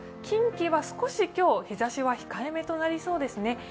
近畿は少し今日日ざしは控えめとなりそうですね。